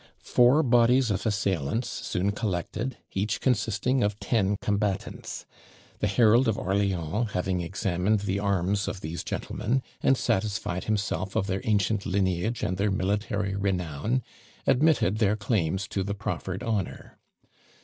Four bodies of assailants soon collected, each consisting of ten combatants. The herald of Orleans having examined the arms of these gentlemen, and satisfied himself of their ancient lineage and their military renown, admitted their claims to the proffered honour.